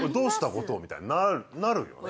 後藤みたいになるよね。